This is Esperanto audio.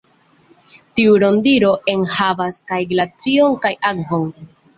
Tiu Rondiro enhavas kaj glacion kaj akvon.